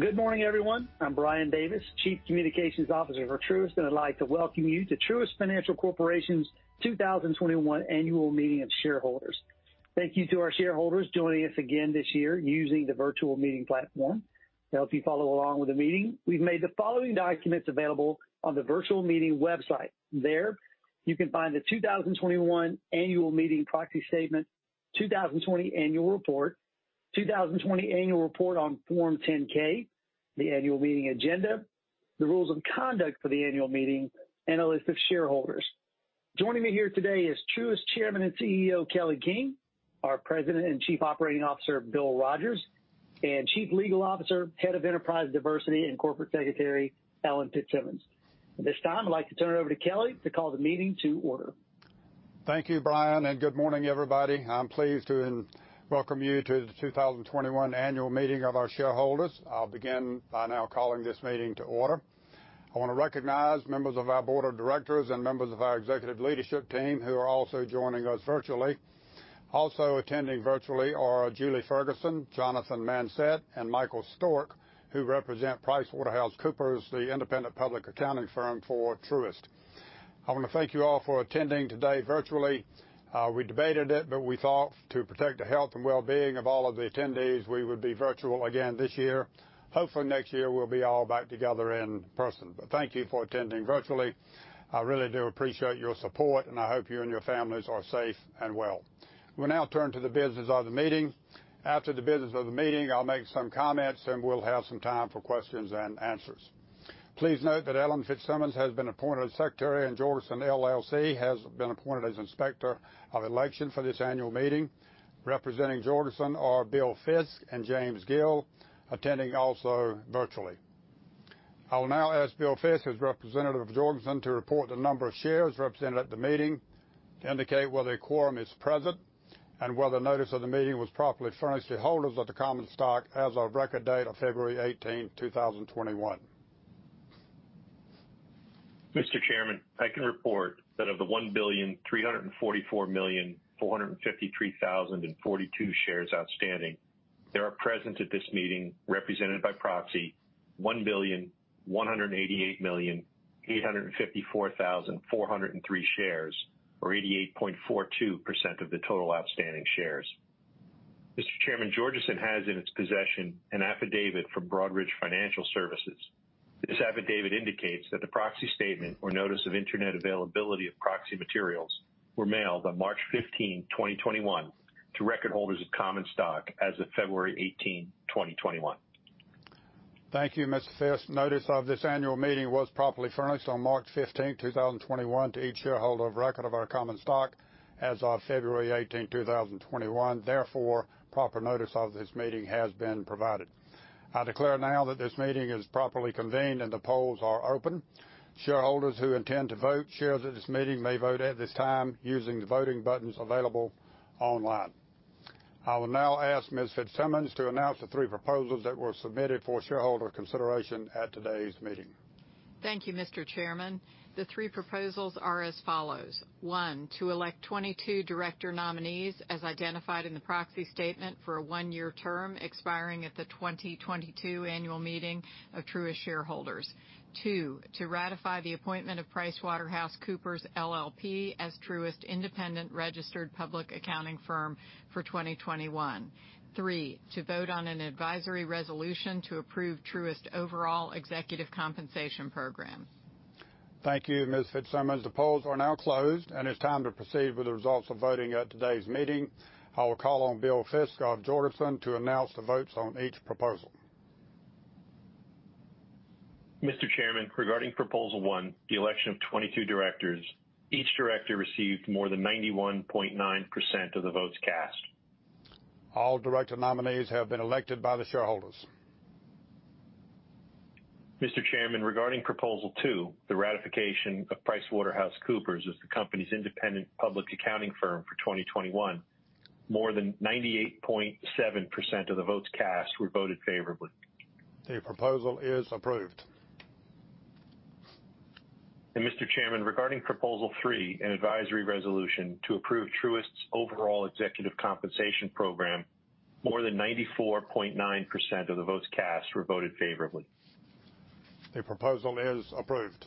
Good morning, everyone. I'm Brian Davis, Chief Communications Officer for Truist. I'd like to welcome you to Truist Financial Corporation's 2021 annual meeting of shareholders. Thank you to our shareholders joining us again this year using the virtual meeting platform. To help you follow along with the meeting, we've made the following documents available on the virtual meeting website. There, you can find the 2021 Annual Meeting proxy statement, 2020 Annual Report, 2020 Annual Report on Form 10-K, the Annual Meeting agenda, the rules of conduct for the Annual Meeting, a list of shareholders. Joining me here today is Truist Chairman and CEO Kelly King, our President and Chief Operating Officer Bill Rogers, Chief Legal Officer, Head of Enterprise Diversity, and Corporate Secretary Ellen Fitzsimmons. At this time, I'd like to turn it over to Kelly to call the meeting to order. Thank you, Brian. Good morning, everybody. I'm pleased to welcome you to the 2021 Annual Meeting of our shareholders. I'll begin by now calling this meeting to order. I want to recognize members of our board of directors and members of our executive leadership team who are also joining us virtually. Also attending virtually are Julie Ferguson, Jonathan Mansett, and Michael Storck, who represent PricewaterhouseCoopers, the independent public accounting firm for Truist. I want to thank you all for attending today virtually. We debated it. We thought, to protect the health and well-being of all of the attendees, we would be virtual again this year. Hopefully next year we'll be all back together in person. Thank you for attending virtually. I really do appreciate your support, and I hope you and your families are safe and well. We'll now turn to the business of the meeting. After the business of the meeting, I'll make some comments, and we'll have some time for questions-and-answers. Please note that Ellen Fitzsimmons has been appointed Secretary, and Georgeson LLC has been appointed as Inspector of Election for this annual meeting. Representing Georgeson are Bill Fisk and James Gill, attending also virtually. I will now ask Bill Fisk as representative of Georgeson to report the number of shares represented at the meeting, indicate whether a quorum is present, and whether notice of the meeting was properly furnished to holders of the common stock as of record date of February 18, 2021. Mr. Chairman, I can report that of the 1,344,453,042 shares outstanding, there are present at this meeting, represented by proxy, 1,188,854,403 shares, or 88.42% of the total outstanding shares. Mr. Chairman, Georgeson LLC has in its possession an affidavit from Broadridge Financial Solutions. This affidavit indicates that the proxy statement or notice of internet availability of proxy materials were mailed on March 15, 2021, to record holders of common stock as of February 18, 2021. Thank you, Mr. Fisk. Notice of this annual meeting was properly furnished on March 15, 2021, to each shareholder of record of our common stock as of February 18, 2021. Therefore, proper notice of this meeting has been provided. I declare now that this meeting is properly convened, and the polls are open. Shareholders who intend to vote shares at this meeting may vote at this time using the voting buttons available online. I will now ask Ms. Fitzsimmons to announce the three proposals that were submitted for shareholder consideration at today's meeting. Thank you, Mr. Chairman. The three proposals are as follows. One, to elect 22 director nominees as identified in the proxy statement for a one-year term expiring at the 2022 Annual Meeting of Truist shareholders. Two, to ratify the appointment of PricewaterhouseCoopers LLP as Truist independent registered public accounting firm for 2021. Three, to vote on an advisory resolution to approve Truist overall Executive Compensation program. Thank you, Ms. Fitzsimmons. The polls are now closed, and it's time to proceed with the results of voting at today's meeting. I will call on Bill Fisk of Georgeson to announce the votes on each proposal. Mr. Chairman, regarding Proposal one, the election of 22 directors, each director received more than 91.9% of the votes cast. All director nominees have been elected by the shareholders. Mr. Chairman, regarding Proposal two, the ratification of PricewaterhouseCoopers as the company's independent public accounting firm for 2021, more than 98.7% of the votes cast were voted favorably. The proposal is approved. Mr. Chairman, regarding Proposal three, an advisory resolution to approve Truist's overall Executive Compensation Program, more than 94.9% of the votes cast were voted favorably. The proposal is approved.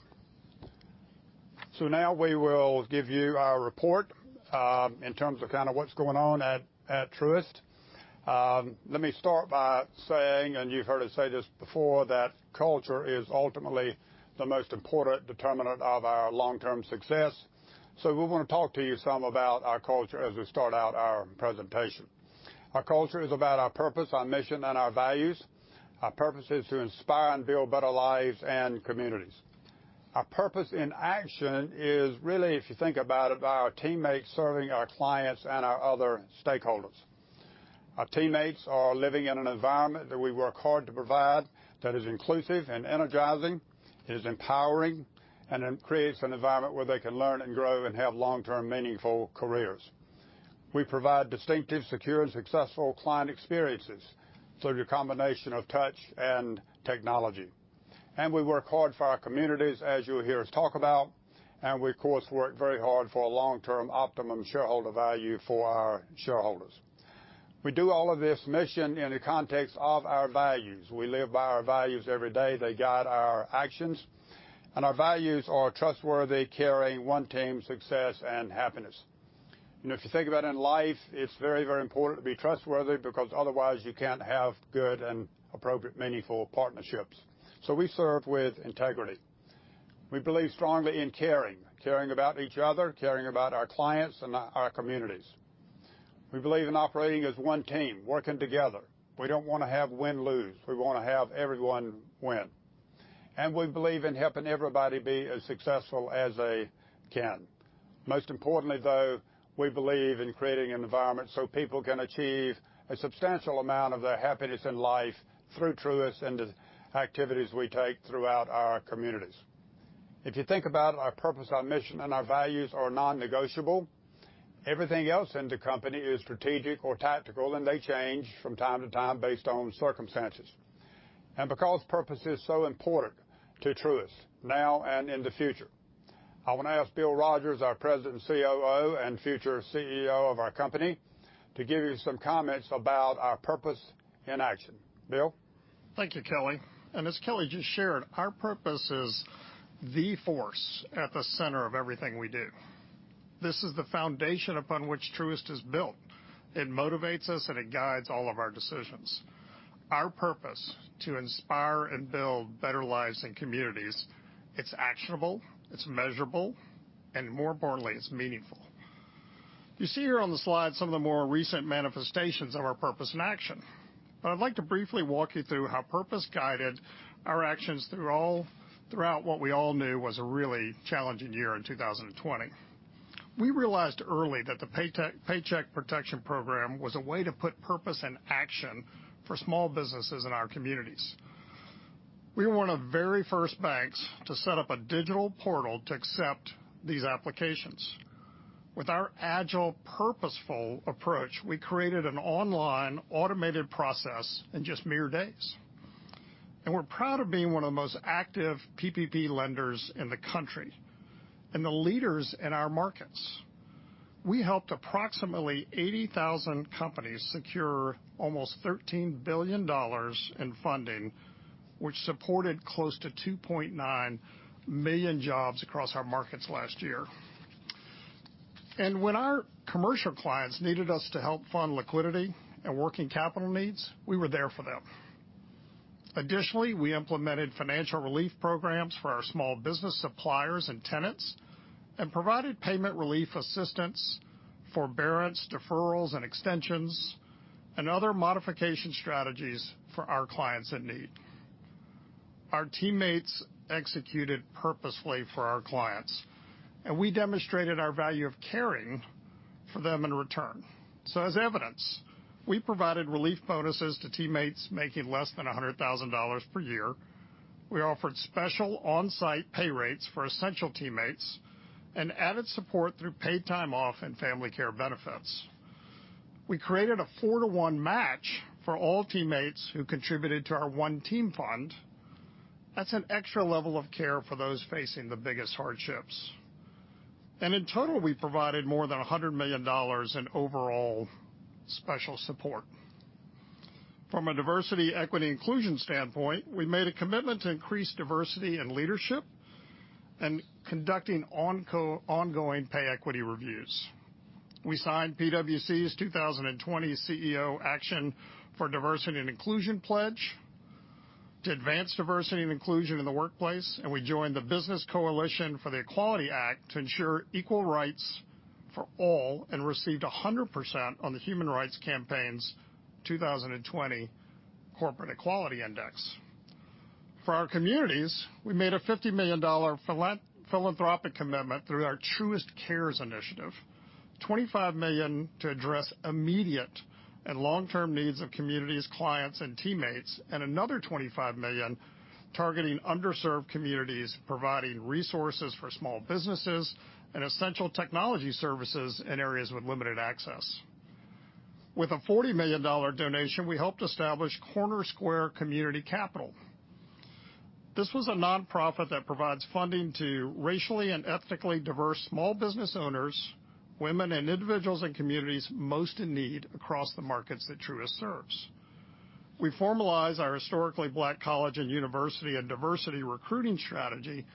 Now we will give you our report, in terms of kind of what's going on at Truist. Let me start by saying, and you've heard us say this before, that culture is ultimately the most important determinant of our long-term success. We want to talk to you some about our culture as we start out our presentation. Our culture is about our purpose, our mission, and our values. Our purpose is to inspire and build better lives and communities. Our purpose in action is really, if you think about it, our teammates serving our clients and our other stakeholders. Our teammates are living in an environment that we work hard to provide that is inclusive and energizing, it is empowering, and it creates an environment where they can learn and grow and have long-term meaningful careers. We provide distinctive, secure, and successful client experiences through the combination of touch and technology. We work hard for our communities, as you'll hear us talk about, we of course, work very hard for a long-term optimum shareholder value for our shareholders. We do all of this mission in the context of our values. We live by our values every day. They guide our actions, and our values are trustworthy, caring, one team, success, and happiness. If you think about in life, it's very, very important to be trustworthy because otherwise you can't have good and appropriate meaningful partnerships. We serve with integrity. We believe strongly in caring about each other, caring about our clients and our communities. We believe in operating as one team, working together. We don't want to have win-lose. We want to have everyone win. We believe in helping everybody be as successful as they can. Most importantly, though, we believe in creating an environment so people can achieve a substantial amount of their happiness in life through Truist and the activities we take throughout our communities. If you think about it, our purpose, our mission, and our values are non-negotiable. Everything else in the company is strategic or tactical, and they change from time to time based on circumstances. Because purpose is so important to Truist now and in the future, I want to ask Bill Rogers, our President and COO and future CEO of our company, to give you some comments about our purpose in action. Bill? Thank you, Kelly. As Kelly just shared, our purpose is the force at the center of everything we do. This is the foundation upon which Truist is built. It motivates us, it guides all of our decisions. Our purpose, to inspire and build better lives and communities, it's actionable, it's measurable, more importantly, it's meaningful. You see here on the slide some of the more recent manifestations of our purpose in action. I'd like to briefly walk you through how purpose guided our actions throughout what we all knew was a really challenging year in 2020. We realized early that the Paycheck Protection Program was a way to put purpose in action for small businesses in our communities. We were one of the very first banks to set up a digital portal to accept these applications. With our agile, purposeful approach, we created an online automated process in just mere days. We're proud of being one of the most active PPP lenders in the country and the leaders in our markets. We helped approximately 80,000 companies secure almost $13 billion in funding, which supported close to 2.9 million jobs across our markets last year. When our commercial clients needed us to help fund liquidity and working capital needs, we were there for them. Additionally, we implemented financial relief programs for our small business suppliers and tenants and provided payment relief assistance, forbearance, deferrals, and extensions, and other modification strategies for our clients in need. Our teammates executed purposefully for our clients, and we demonstrated our value of caring for them in return. As evidence, we provided relief bonuses to teammates making less than $100,000 per year. We offered special on-site pay rates for essential teammates and added support through paid time off and family care benefits. We created a four-to-one match for all teammates who contributed to our One Team Fund. That's an extra level of care for those facing the biggest hardships. In total, we provided more than $100 million in overall special support. From a diversity equity inclusion standpoint, we made a commitment to increase diversity in leadership and conducting ongoing pay equity reviews. We signed PwC's 2020 CEO Action for Diversity & Inclusion pledge to advance diversity and inclusion in the workplace, and we joined the Business Coalition for the Equality Act to ensure equal rights for all and received 100% on the Human Rights Campaign's 2020 Corporate Equality Index. For our communities, we made a $50 million philanthropic commitment through our Truist Cares initiative, $25 million to address immediate and long-term needs of communities, clients, and teammates, and another $25 million targeting underserved communities, providing resources for small businesses and essential technology services in areas with limited access. With a $40 million donation, we helped establish CornerSquare Community Capital. This was a nonprofit that provides funding to racially and ethnically diverse small business owners, women, and individuals in communities most in need across the markets that Truist serves. We formalized our Historically Black College and University and diversity recruiting strategy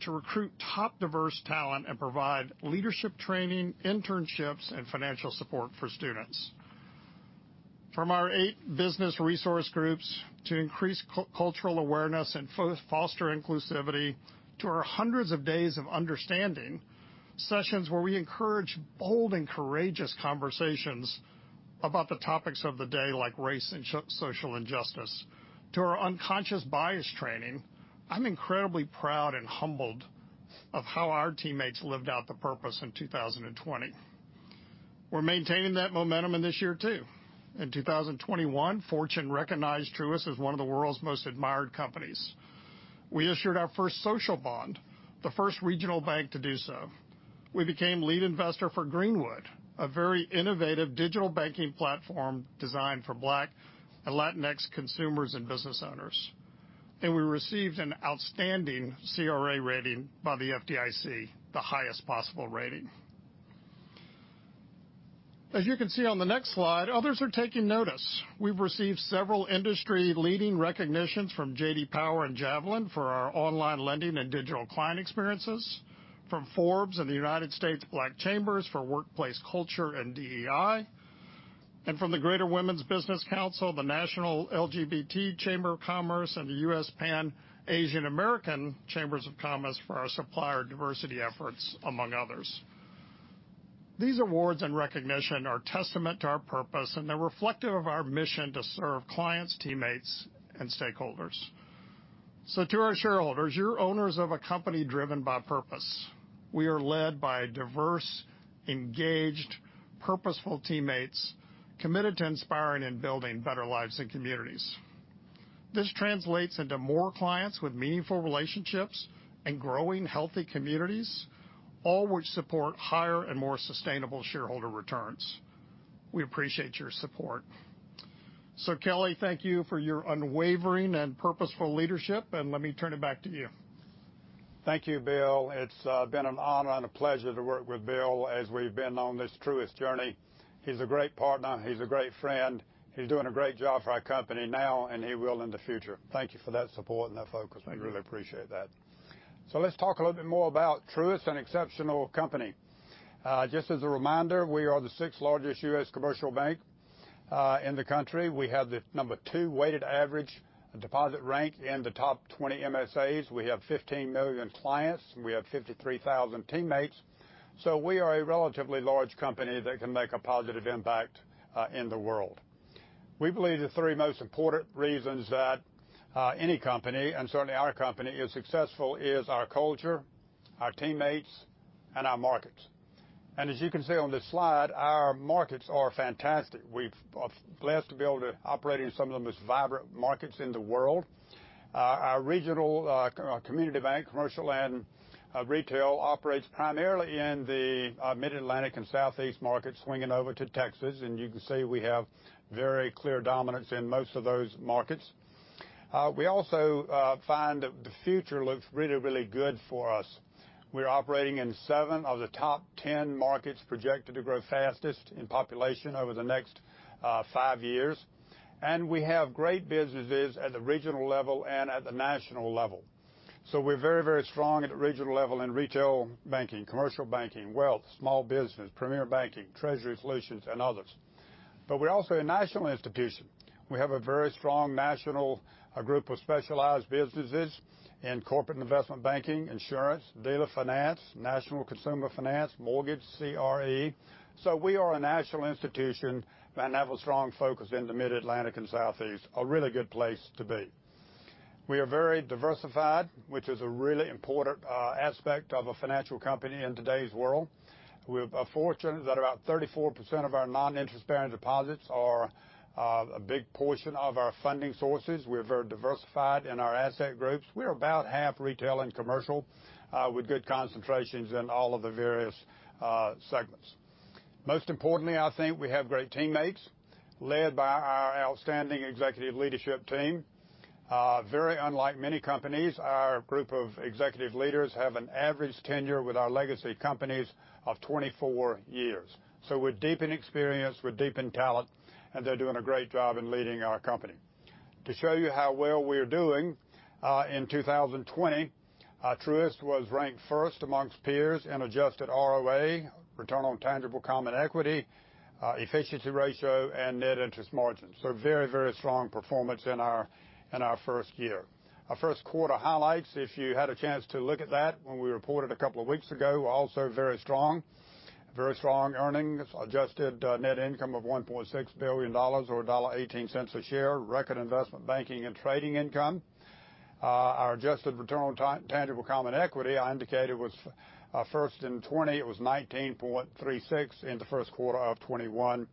to recruit top diverse talent and provide leadership training, internships, and financial support for students. From our eight business resource groups to increase cultural awareness and foster inclusivity to our hundreds of days of understanding sessions where we encourage bold and courageous conversations about the topics of the day, like race and social injustice, to our unconscious bias training, I'm incredibly proud and humbled of how our teammates lived out the purpose in 2020. We're maintaining that momentum in this year, too. In 2021, Fortune recognized Truist as one of the World's Most Admired Companies. We issued our first social bond, the first regional bank to do so. We became lead investor for Greenwood, a very innovative digital banking platform designed for Black and Latinx consumers and business owners. We received an outstanding CRA rating by the FDIC, the highest possible rating. As you can see on the next slide, others are taking notice. We've received several industry-leading recognitions from JD Power and Javelin for our online lending and digital client experiences, from Forbes and the U.S. Black Chambers for workplace culture and DEI, from the Greater Women's Business Council, the National LGBT Chamber of Commerce, and the U.S. Pan Asian American Chamber of Commerce for our supplier diversity efforts, among others. These awards and recognition are testament to our purpose, and they're reflective of our mission to serve clients, teammates, and stakeholders. To our shareholders, you're owners of a company driven by purpose. We are led by diverse, engaged, purposeful teammates committed to inspiring and building better lives and communities. This translates into more clients with meaningful relationships and growing healthy communities, all which support higher and more sustainable shareholder returns. We appreciate your support. Kelly, thank you for your unwavering and purposeful leadership, let me turn it back to you. Thank you, Bill. It's been an honor and a pleasure to work with Bill as we've been on this Truist journey. He's a great partner. He's a great friend. He's doing a great job for our company now, and he will in the future. Thank you for that support and that focus. I really appreciate that. Let's talk a little bit more about Truist, an exceptional company. Just as a reminder, we are the sixth-largest U.S. commercial bank in the country. We have the number two weighted average deposit rank in the top 20 MSAs. We have 15 million clients. We have 53,000 teammates. We are a relatively large company that can make a positive impact in the world. We believe the three most important reasons that any company, and certainly our company, is successful is our culture, our teammates, and our markets. As you can see on this slide, our markets are fantastic. We're blessed to be able to operate in some of the most vibrant markets in the world. Our regional community bank, commercial, and retail operates primarily in the Mid-Atlantic and Southeast markets swinging over to Texas. You can see we have very clear dominance in most of those markets. We also find that the future looks really, really good for us. We're operating in seven of the top 10 markets projected to grow fastest in population over the next five years. We have great businesses at the regional level and at the national level. We're very, very strong at the regional level in Retail Banking, Commercial Banking, Wealth, Small Business, Premier Banking, Treasury Solutions, and others. We're also a national institution. We have a very strong national group of specialized businesses in Corporate Investment Banking, Insurance, Dealer Finance, National Consumer Finance, Mortgage, CRE. We are a national institution, and have a strong focus in the Mid-Atlantic and Southeast, a really good place to be. We are very diversified, which is a really important aspect of a financial company in today's world. We're fortunate that about 34% of our non-interest-bearing deposits are a big portion of our funding sources. We're very diversified in our asset groups. We're about half retail and commercial, with good concentrations in all of the various segments. Most importantly, I think we have great teammates led by our outstanding executive leadership team. Very unlike many companies, our group of executive leaders have an average tenure with our legacy companies of 24 years. We're deep in experience, we're deep in talent, and they're doing a great job in leading our company. To show you how well we're doing, in 2020, Truist was ranked first amongst peers in adjusted ROA, return on tangible common equity, efficiency ratio, and net interest margins. Very strong performance in our first year. Our first quarter highlights, if you had a chance to look at that when we reported a couple of weeks ago, were also very strong. Very strong earnings, adjusted net income of $1.6 billion or $1.18 a share, record investment banking and trading income. Our adjusted return on tangible common equity, I indicated, was first in 2020. It was 19.36 in the first quarter of 2021.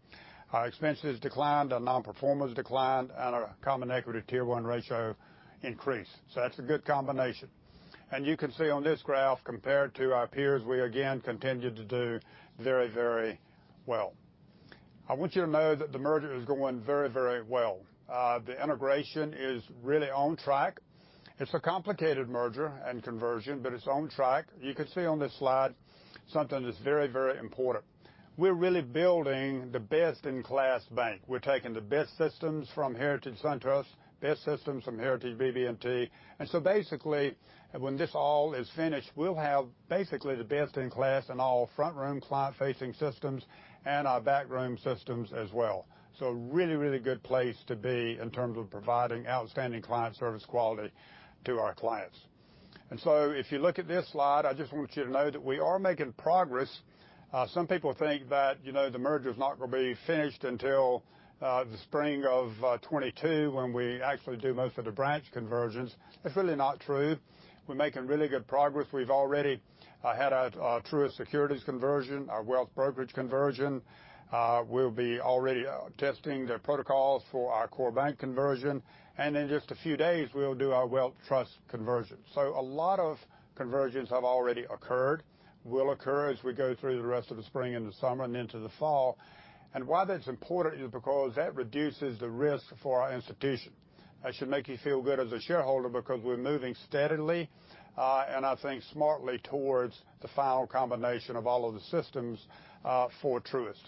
Our expenses declined, our nonperformers declined, and our Common Equity Tier 1 ratio increased. That's a good combination. You can see on this graph, compared to our peers, we again continued to do very, very well. I want you to know that the merger is going very, very well. The integration is really on track. It's a complicated merger and conversion, but it's on track. You can see on this slide something that's very, very important. We're really building the best-in-class bank. We're taking the best systems from Heritage SunTrust, best systems from Heritage BB&T. Basically, when this all is finished, we'll have basically the best in class in all front-room client-facing systems and our backroom systems as well. Really, really good place to be in terms of providing outstanding client service quality to our clients. If you look at this slide, I just want you to know that we are making progress. Some people think that the merger's not going to be finished until the spring of 2022, when we actually do most of the branch conversions. That's really not true. We're making really good progress. We've already had our Truist Securities conversion, our wealth brokerage conversion. We'll be already testing the protocols for our core bank conversion. In just a few days, we'll do our wealth trust conversion. A lot of conversions have already occurred, will occur as we go through the rest of the spring and the summer and into the fall. Why that's important is because that reduces the risk for our institution. That should make you feel good as a shareholder because we're moving steadily, and I think smartly, towards the final combination of all of the systems for Truist.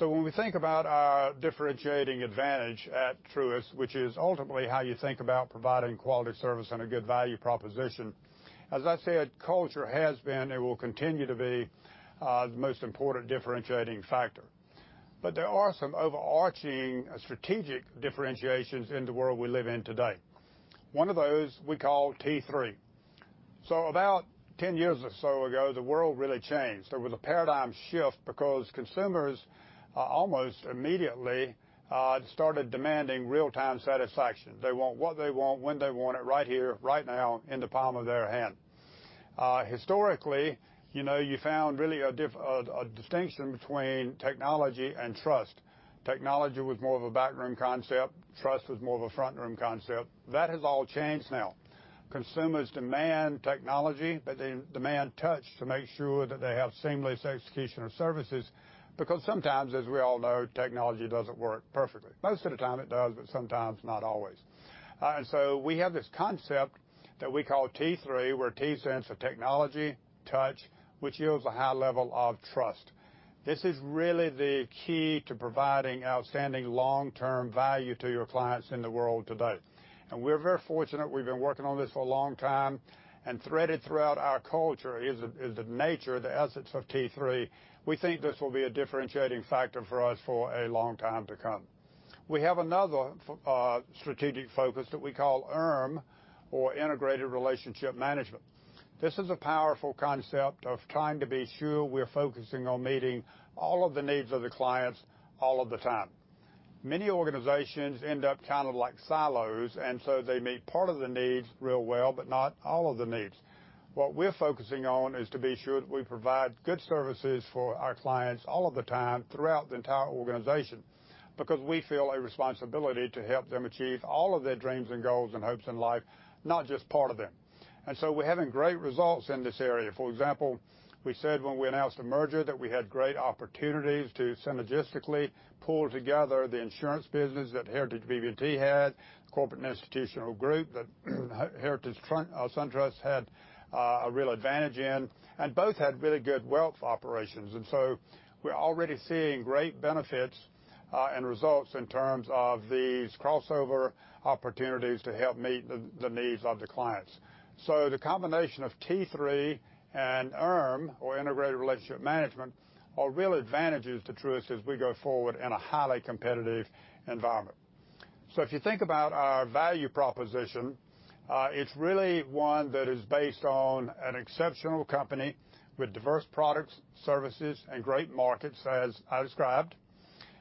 When we think about our differentiating advantage at Truist, which is ultimately how you think about providing quality service and a good value proposition, as I said, culture has been and will continue to be the most important differentiating factor. There are some overarching strategic differentiations in the world we live in today. One of those we call T3. About 10 years or so ago, the world really changed. There was a paradigm shift because consumers almost immediately started demanding real-time satisfaction. They want what they want, when they want it, right here, right now, in the palm of their hand. Historically, you found really a distinction between technology and trust. Technology was more of a backroom concept. Trust was more of a front-room concept. That has all changed now. Consumers demand technology, but they demand touch to make sure that they have seamless execution of services, because sometimes, as we all know, technology doesn't work perfectly. Most of the time it does, but sometimes not always. We have this concept that we call T3, where T stands for technology, touch, which yields a high level of trust. This is really the key to providing outstanding long-term value to your clients in the world today. We're very fortunate. We've been working on this for a long time. Threaded throughout our culture is the nature, the essence of T3. We think this will be a differentiating factor for us for a long time to come. We have another strategic focus that we call IRM, or Integrated Relationship Management. This is a powerful concept of trying to be sure we're focusing on meeting all of the needs of the clients all of the time. Many organizations end up kind of like silos. They meet part of the needs real well, not all of the needs. What we're focusing on is to be sure that we provide good services for our clients all of the time throughout the entire organization, because we feel a responsibility to help them achieve all of their dreams and goals and hopes in life, not just part of them. We're having great results in this area. For example, we said when we announced the merger that we had great opportunities to synergistically pull together the insurance business that Heritage BB&T had, the corporate and institutional group that Heritage SunTrust had a real advantage in, and both had really good wealth operations. We're already seeing great benefits and results in terms of these crossover opportunities to help meet the needs of the clients. The combination of T3 and IRM, or Integrated Relationship Management, are real advantages to Truist as we go forward in a highly competitive environment. If you think about our value proposition, it's really one that is based on an exceptional company with diverse products, services, and great markets as I described.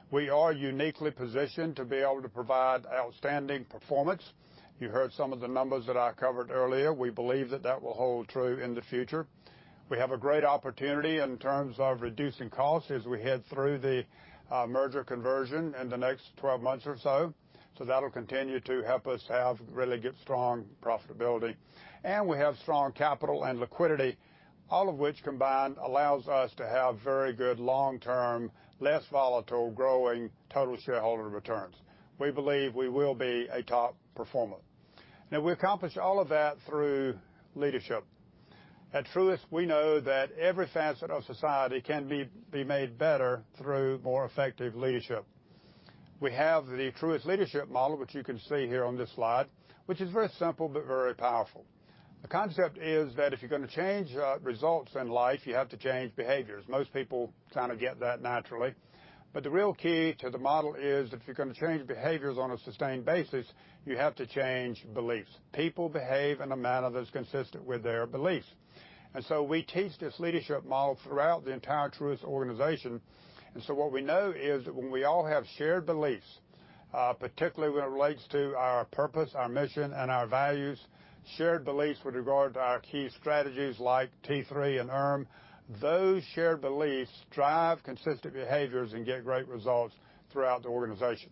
We are uniquely positioned to be able to provide outstanding performance. You heard some of the numbers that I covered earlier. We believe that that will hold true in the future. We have a great opportunity in terms of reducing costs as we head through the merger conversion in the next 12 months or so. That'll continue to help us have really good, strong profitability. We have strong capital and liquidity, all of which combined allows us to have very good long-term, less volatile, growing total shareholder returns. We believe we will be a top performer. We accomplish all of that through leadership. At Truist, we know that every facet of society can be made better through more effective leadership. We have the Truist Leadership Model, which you can see here on this slide, which is very simple but very powerful. The concept is that if you're going to change results in life, you have to change behaviors. Most people kind of get that naturally. The real key to the model is if you're going to change behaviors on a sustained basis, you have to change beliefs. People behave in a manner that's consistent with their beliefs. We teach this leadership model throughout the entire Truist organization. What we know is when we all have shared beliefs, particularly when it relates to our purpose, our mission, and our values, shared beliefs with regard to our key strategies like T3 and IRM, those shared beliefs drive consistent behaviors and get great results throughout the organization.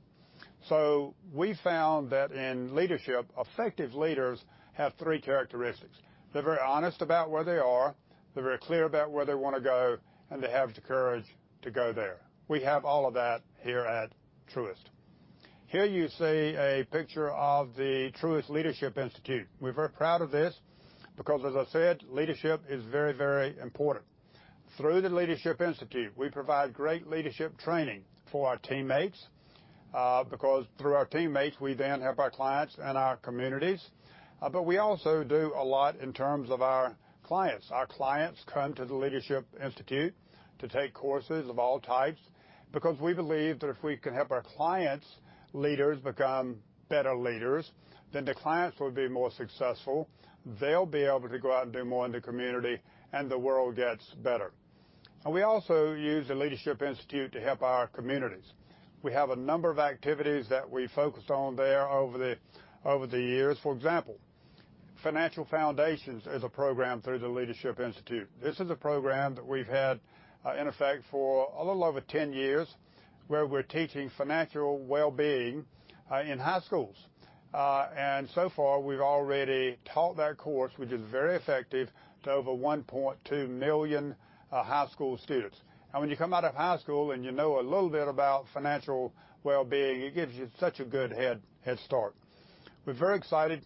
We found that in leadership, effective leaders have three characteristics. They're very honest about where they are, they're very clear about where they want to go, and they have the courage to go there. We have all of that here at Truist. Here you see a picture of the Truist Leadership Institute. We're very proud of this because, as I said, leadership is very, very important. Through the Leadership Institute, we provide great leadership training for our teammates, because through our teammates, we then help our clients and our communities. We also do a lot in terms of our clients. Our clients come to the Leadership Institute to take courses of all types because we believe that if we can help our clients' leaders become better leaders, then the clients will be more successful, they'll be able to go out and do more in the community, and the world gets better. We also use the Leadership Institute to help our communities. We have a number of activities that we focused on there over the years. For example, Financial Foundations is a program through the Leadership Institute. This is a program that we've had in effect for a little over 10 years where we're teaching financial well-being in high schools. So far, we've already taught that course, which is very effective, to over 1.2 million high school students. When you come out of high school and you know a little bit about financial well-being, it gives you such a good head start. We're very excited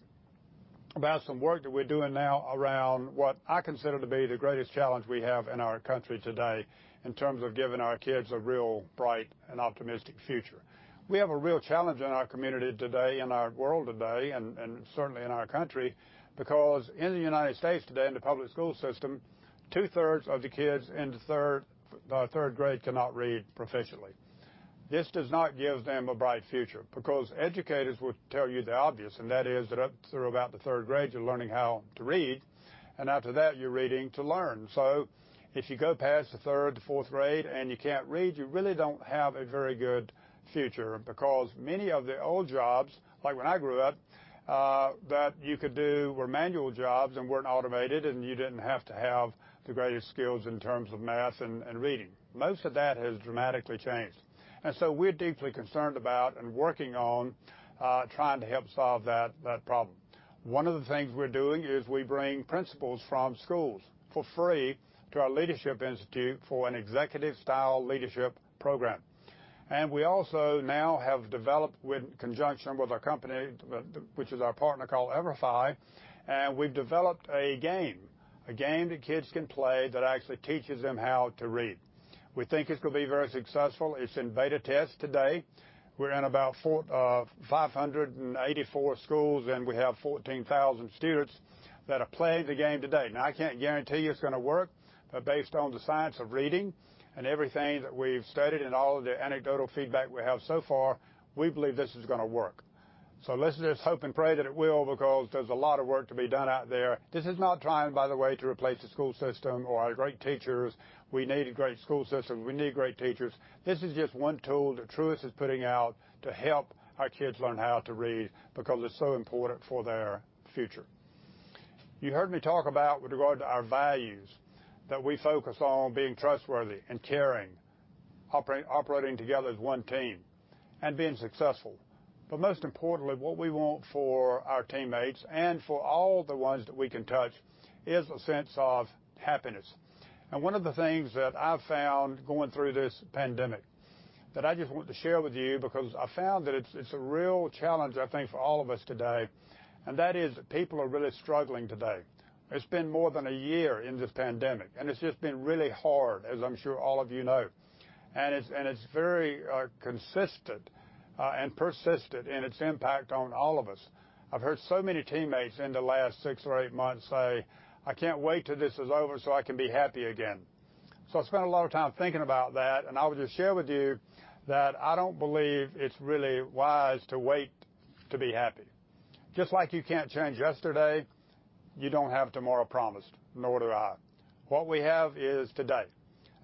about some work that we're doing now around what I consider to be the greatest challenge we have in our country today in terms of giving our kids a real bright and optimistic future. We have a real challenge in our community today, in our world today, and certainly in our country, because in the U.S. today, in the public school system, two-thirds of the kids in the third grade cannot read proficiently. This does not give them a bright future because educators will tell you the obvious, and that is that up through about the third grade, you're learning how to read, and after that, you're reading to learn. If you go past the third to fourth grade and you can't read, you really don't have a very good future because many of the old jobs, like when I grew up, that you could do were manual jobs and weren't automated, and you didn't have to have the greatest skills in terms of math and reading. Most of that has dramatically changed. We're deeply concerned about and working on trying to help solve that problem. One of the things we're doing is we bring principals from schools for free to our Truist Leadership Institute for an executive-style leadership program. We also now have developed in conjunction with a company, which is our partner called EVERFI, and we've developed a game, a game that kids can play that actually teaches them how to read. We think it's going to be very successful. It's in beta test today. We're in about 584 schools, and we have 14,000 students that are playing the game today. I can't guarantee you it's going to work, but based on the science of reading and everything that we've studied and all of the anecdotal feedback we have so far, we believe this is going to work. Let's just hope and pray that it will because there's a lot of work to be done out there. This is not trying, by the way, to replace the school system or our great teachers. We need a great school system. We need great teachers. This is just one tool that Truist is putting out to help our kids learn how to read because it's so important for their future. You heard me talk about with regard to our values, that we focus on being trustworthy and caring, operating together as one team and being successful. Most importantly, what we want for our teammates and for all the ones that we can touch is a sense of happiness. One of the things that I've found going through this pandemic that I just want to share with you because I found that it's a real challenge, I think, for all of us today, and that is people are really struggling today. It's been more than a year in this pandemic, and it's just been really hard, as I'm sure all of you know. It's very consistent and persistent in its impact on all of us. I've heard so many teammates in the last six or eight months say, "I can't wait till this is over so I can be happy again." I spent a lot of time thinking about that, and I would just share with you that I don't believe it's really wise to wait to be happy. Just like you can't change yesterday, you don't have tomorrow promised, nor do I. What we have is today.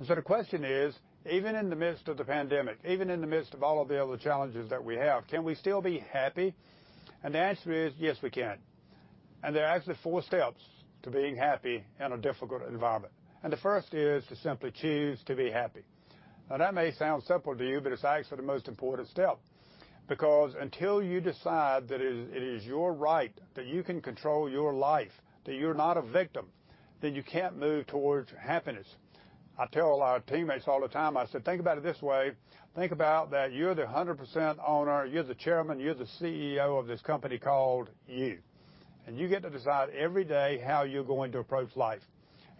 The question is, even in the midst of the pandemic, even in the midst of all of the other challenges that we have, can we still be happy? The answer is, yes, we can. There are actually four steps to being happy in a difficult environment. The first is to simply choose to be happy. That may sound simple to you, but it's actually the most important step because until you decide that it is your right that you can control your life, that you're not a victim, then you can't move towards happiness. I tell a lot of teammates all the time, I said, "Think about it this way. Think about that you're the 100% owner, you're the chairman, you're the CEO of this company called You. You get to decide every day how you're going to approach life.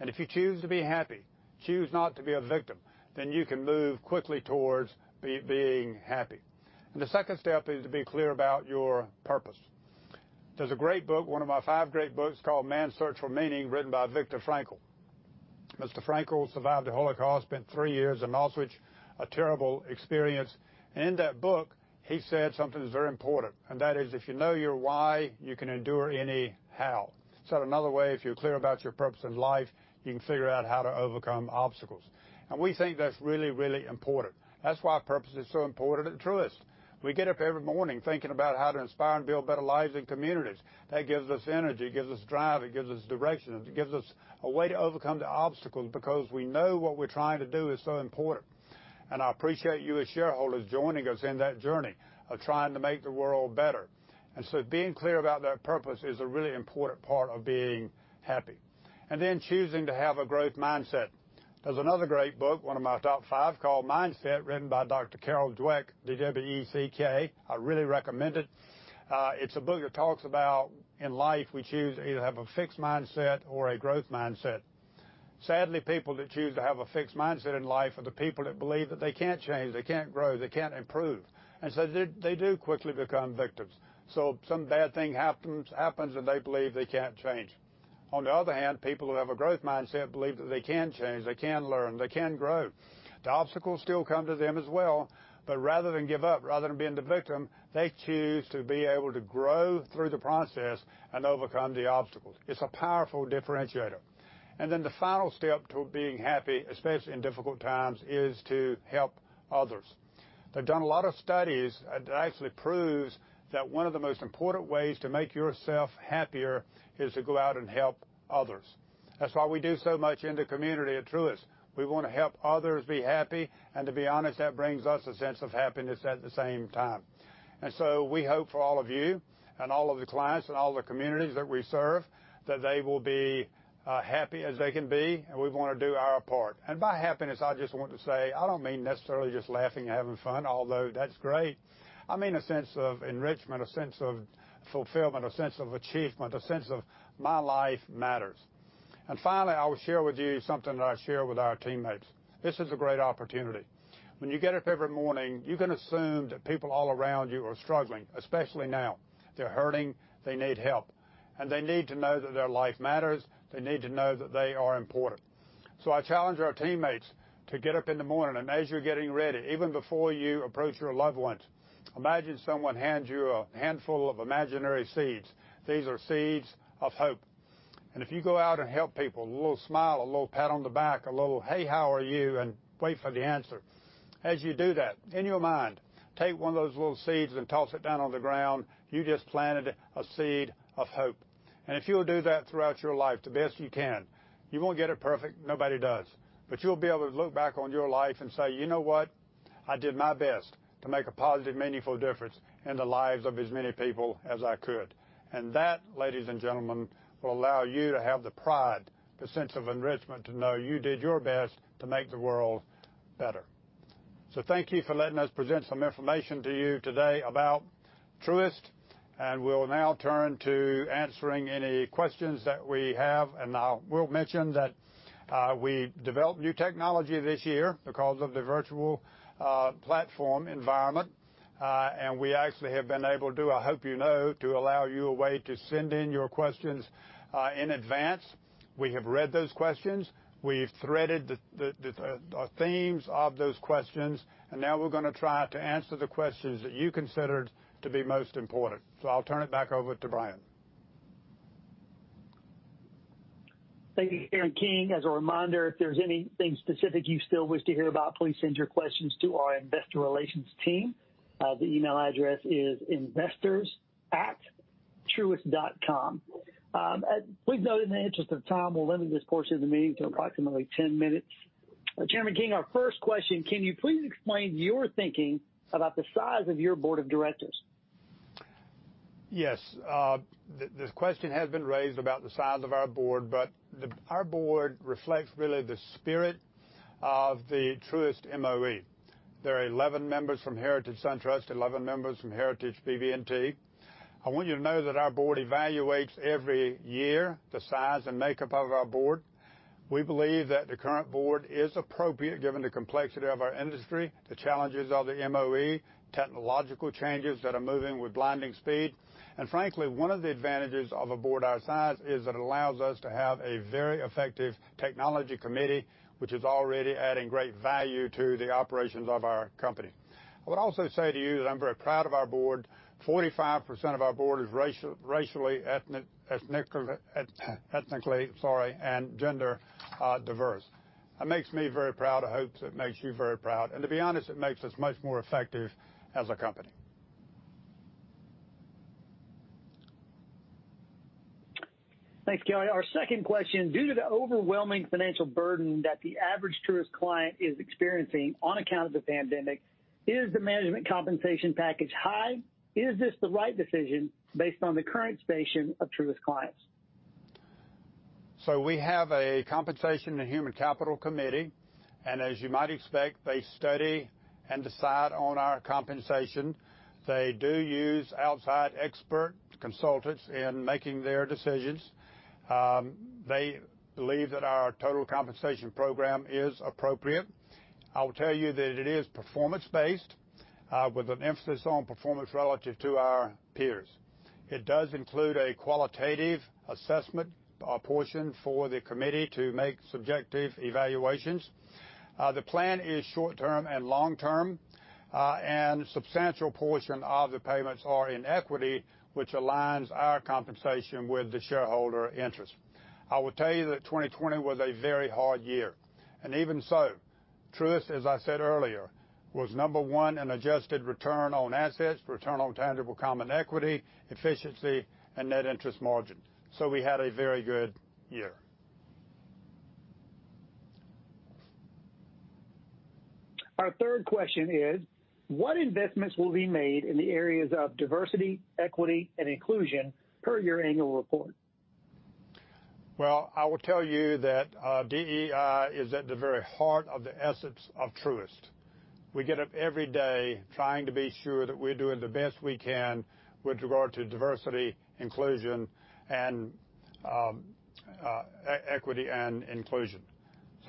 If you choose to be happy, choose not to be a victim, then you can move quickly towards being happy." The second step is to be clear about your purpose. There's a great book, one of my five great books, called "Man's Search for Meaning" written by Viktor Frankl. Mr. Frankl survived the Holocaust, spent three years in Auschwitz, a terrible experience. In that book, he said something that's very important, and that is, "If you know your why, you can endure any how." Said another way, if you're clear about your purpose in life, you can figure out how to overcome obstacles. We think that's really, really important. That's why purpose is so important at Truist. We get up every morning thinking about how to inspire and build better lives and communities. That gives us energy, it gives us drive, it gives us direction, it gives us a way to overcome the obstacles because we know what we're trying to do is so important. I appreciate you as shareholders joining us in that journey of trying to make the world better. Being clear about that purpose is a really important part of being happy. Then choosing to have a growth mindset. There's another great book, one of my top five, called "Mindset," written by Dr. Carol Dweck, D-W-E-C-K. I really recommend it. It's a book that talks about in life, we choose either have a fixed mindset or a growth mindset. Sadly, people that choose to have a fixed mindset in life are the people that believe that they can't change, they can't grow, they can't improve. They do quickly become victims. Some bad thing happens, and they believe they can't change. On the other hand, people who have a growth mindset believe that they can change, they can learn, they can grow. The obstacles still come to them as well, rather than give up, rather than being the victim, they choose to be able to grow through the process and overcome the obstacles. It's a powerful differentiator. The final step to being happy, especially in difficult times, is to help others. They've done a lot of studies that actually prove that one of the most important ways to make yourself happier is to go out and help others. That's why we do so much in the community at Truist. We want to help others be happy, and to be honest, that brings us a sense of happiness at the same time. We hope for all of you and all of the clients and all the communities that we serve. That they will be happy as they can be, and we want to do our part. By happiness, I just want to say, I don't mean necessarily just laughing and having fun, although that's great. I mean a sense of enrichment, a sense of fulfillment, a sense of achievement, a sense of my life matters. Finally, I will share with you something that I share with our teammates. This is a great opportunity. When you get up every morning, you can assume that people all around you are struggling, especially now. They're hurting, they need help, and they need to know that their life matters. They need to know that they are important. I challenge our teammates to get up in the morning, and as you're getting ready, even before you approach your loved ones, imagine someone hands you a handful of imaginary seeds. These are seeds of hope. If you go out and help people, a little smile, a little pat on the back, a little, "Hey, how are you?" Wait for the answer. As you do that, in your mind, take one of those little seeds and toss it down on the ground. You just planted a seed of hope. If you'll do that throughout your life the best you can, you won't get it perfect. Nobody does. You'll be able to look back on your life and say, "You know what? I did my best to make a positive, meaningful difference in the lives of as many people as I could." That, ladies and gentlemen, will allow you to have the pride, the sense of enrichment, to know you did your best to make the world better. Thank you for letting us present some information to you today about Truist, and we'll now turn to answering any questions that we have. I will mention that we developed new technology this year because of the virtual platform environment. We actually have been able to, I hope you know, to allow you a way to send in your questions in advance. We have read those questions. We've threaded the themes of those questions, and now we're going to try to answer the questions that you considered to be most important. I'll turn it back over to Brian. Thank you, Chairman King. As a reminder, if there's anything specific you still wish to hear about, please send your questions to our investor relations team. The email address is investors@truist.com. Please note in the interest of time, we'll limit this portion of the meeting to approximately 10 minutes. Chairman King, our first question, can you please explain your thinking about the size of your board of directors? Yes. The question has been raised about the size of our board. Our board reflects really the spirit of the Truist MOE. There are 11 members from Heritage SunTrust, 11 members from Heritage BB&T. I want you to know that our board evaluates every year the size and makeup of our board. We believe that the current board is appropriate given the complexity of our industry, the challenges of the MOE, technological changes that are moving with blinding speed. Frankly, one of the advantages of a board our size is it allows us to have a very effective technology committee, which is already adding great value to the operations of our company. I would also say to you that I'm very proud of our board. 45% of our board is racially, ethnically, and gender-diverse. That makes me very proud. I hope that makes you very proud. To be honest, it makes us much more effective as a company. Thanks, Kelly. Our second question, due to the overwhelming financial burden that the average Truist client is experiencing on account of the pandemic, is the management compensation package high? Is this the right decision based on the current situation of Truist clients? We have a compensation and human capital committee, and as you might expect, they study and decide on our compensation. They do use outside expert consultants in making their decisions. They believe that our total compensation program is appropriate. I will tell you that it is performance-based with an emphasis on performance relative to our peers. It does include a qualitative assessment portion for the committee to make subjective evaluations. The plan is short-term and long-term, and a substantial portion of the payments are in equity, which aligns our compensation with the shareholder interest. I will tell you that 2020 was a very hard year, and even so, Truist, as I said earlier, was number one in adjusted return on assets, return on tangible common equity, efficiency, and net interest margin. We had a very good year. Our third question is what investments will be made in the areas of diversity, equity, and inclusion per your annual report? Well, I will tell you that DEI is at the very heart of the essence of Truist. We get up every day trying to be sure that we're doing the best we can with regard to diversity, inclusion, and equity and inclusion.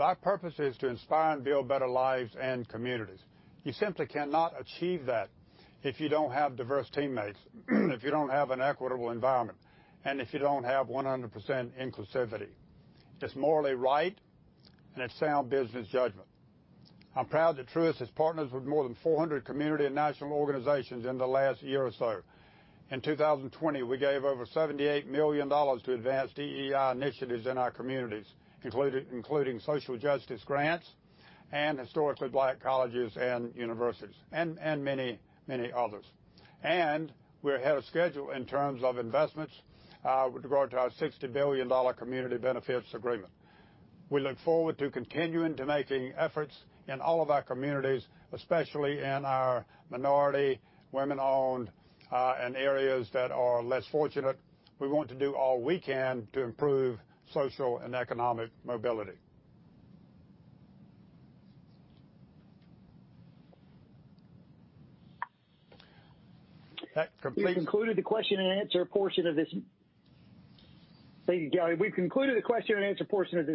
Our purpose is to inspire and build better lives and communities. You simply cannot achieve that if you don't have diverse teammates, if you don't have an equitable environment, and if you don't have 100% inclusivity. It's morally right, and it's sound business judgment. I'm proud that Truist has partnered with more than 400 community and national organizations in the last year or so. In 2020, we gave over $78 million to advance DEI initiatives in our communities, including social justice grants and historically Black colleges and universities, and many others. We're ahead of schedule in terms of investments with regard to our $60 billion community benefits agreement. We look forward to continuing to making efforts in all of our communities, especially in our minority, women-owned, and areas that are less fortunate. We want to do all we can to improve social and economic mobility. Thank you, Kelly. We've concluded the question-and-answer portion of this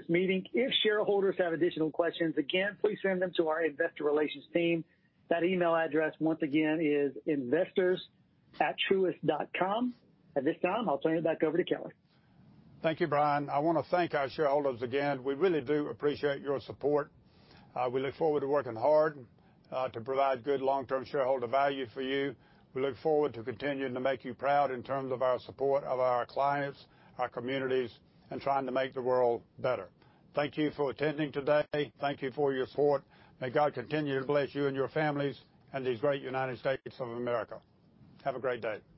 meeting. If shareholders have additional questions, again, please send them to our investor relations team. That email address, once again, is investors@truist.com. At this time, I'll turn it back over to Kelly. Thank you, Brian. I want to thank our shareholders again. We really do appreciate your support. We look forward to working hard to provide good long-term shareholder value for you. We look forward to continuing to make you proud in terms of our support of our clients, our communities, and trying to make the world better. Thank you for attending today. Thank you for your support. May God continue to bless you and your families and these great United States of America. Have a great day.